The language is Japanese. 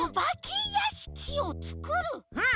うん。